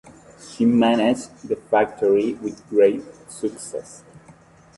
She managed the factory with great success.